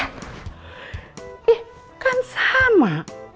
ih kan sama